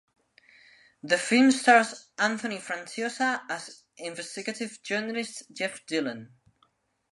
The film stars Anthony Franciosa as investigative journalist Jeff Dillon.